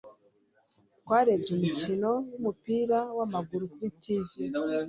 Twarebye umukino wumupira wamaguru kuri TV